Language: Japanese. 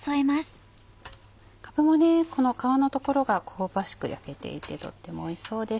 かぶもこの皮の所が香ばしく焼けていてとてもおいしそうです。